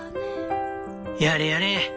やれやれ。